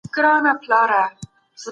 هغوی ته اف هم مه وایئ.